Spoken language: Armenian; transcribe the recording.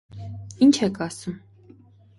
- Ի՞նչ եք ասում.